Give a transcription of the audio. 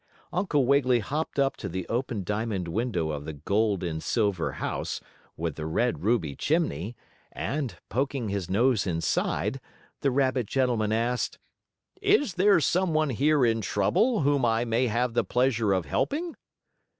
Uncle Wiggily hopped up to the open diamond window of the gold and silver house, with the red ruby chimney, and, poking his nose inside, the rabbit gentleman asked: "Is there some one here in trouble whom I may have the pleasure of helping?"